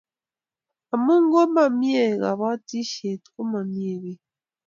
Amu komamie kabatishet komamie biik